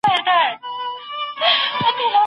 کېدای سي زه منډه ووهم.